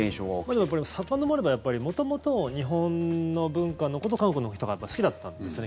でも、さかのぼれば元々、日本の文化のことを韓国の人が好きだったんですよね。